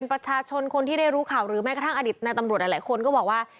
ประชาชนคนที่ได้รู้ข่าวหรือแม้กระทั่งอดิตในตำรวจหลายคนก็บอกว่า